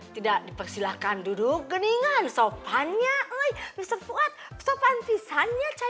tidak dipersilahkan duduk geningan sopannya besok buat sopan pisangnya